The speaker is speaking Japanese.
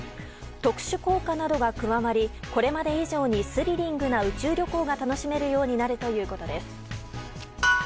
特殊効果などが加わりこれまで以上にスリリングな宇宙旅行が楽しめるようになるということです。